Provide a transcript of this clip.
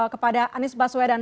kepada anies baswedan